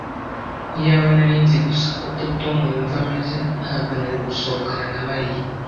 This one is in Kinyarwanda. Iyaba nari nzi gusa uko Tom yumva ameze ntabwo nari gusohokana na Mariya